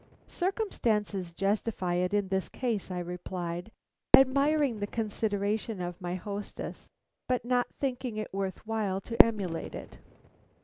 "Circumstances justify it in this case," I replied, admiring the consideration of my hostess, but not thinking it worth while to emulate it.